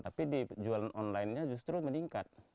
tapi di jualan onlinenya justru meningkat